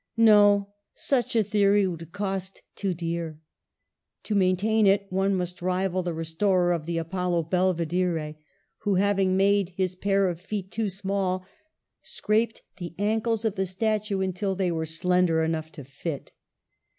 No; such a theory would cost too dear. To main tain it one must rival that restorer of the Apollo Belvedere, who, having made his pair of feet too small, scraped the ankles of the statue until they were slender enough to fit.